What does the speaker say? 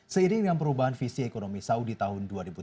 seiring dengan perubahan visi ekonomi saudi tahun dua ribu tujuh belas